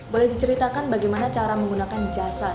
boleh diceritakan bagaimana cara menggunakan jasa